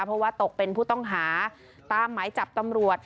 เพราะว่าตกเป็นผู้ต้องหาตามหมายจับตำรวจ